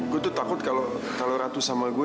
gue tuh takut kalau ratu sama gue